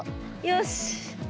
よし。